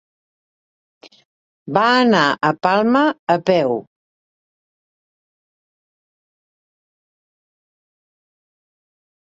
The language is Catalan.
Va anar a Palma a peu.